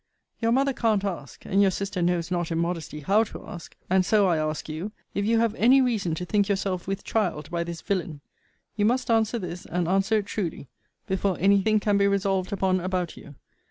Your mother can't ask, and your sister knows not in modesty how to ask; and so I ask you, if you have any reason to think yourself with child by this villain? You must answer this, and answer it truly, before any thing can be resolved upon about you.